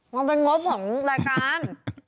มันเป็นงบของรายการ